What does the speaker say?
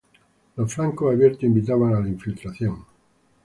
Los flancos abiertos invitaban a la infiltración.